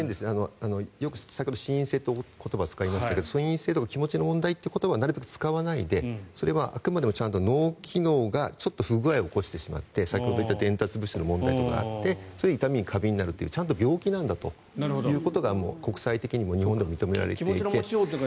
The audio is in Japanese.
先ほど、心因性という言葉と使いましたが気持ちの問題という言葉をなるべく使わないでそれはあくまでも脳機能がちょっと不具合を起こしてしまって先ほど言った伝達物質の問題とかがあってそういう痛みに過敏になるという病気なんだと国際的にも日本でも認められていて。